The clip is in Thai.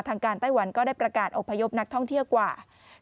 ทางการไต้หวันก็ได้ประกาศอพยพนักท่องเที่ยวกว่า